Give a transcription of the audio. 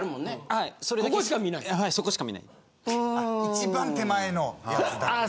１番手前のやつだけ・あ！